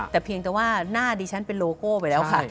แต่เพียงแต่ว่าหน้าดิฉันเป็นโลโก้ไปแล้วค่ะ